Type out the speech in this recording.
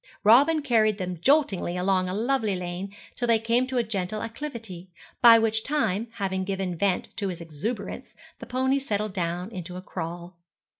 Robin carried them joltingly along a lovely lane till they came to a gentle acclivity, by which time, having given vent to his exuberance, the pony settled down into a crawl.